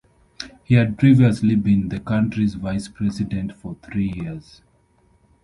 He had previously been the country's Vice-President for three years.